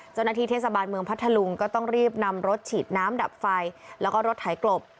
เจ้าหน้าที่เทศบาลเมืองพัทธลุงก็ต้องรีบนำรถฉีดน้ำดับไฟแล้วก็รถไถกลบ